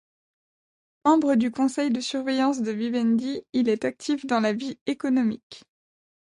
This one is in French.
Membre du conseil de surveillance de Vivendi, il est actif dans la vie économique.